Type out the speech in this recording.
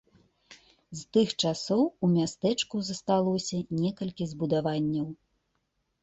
З тых часоў у мястэчку засталося некалькі збудаванняў.